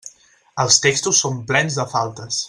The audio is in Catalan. Els textos són plens de faltes.